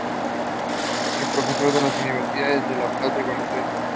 Fue profesor de las Universidades de La Plata, y Buenos Aires.